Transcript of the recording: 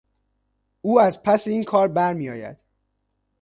او از پس این کار برمیآید.